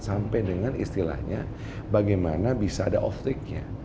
sampai dengan istilahnya bagaimana bisa ada off trick nya